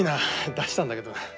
出したんだけどな。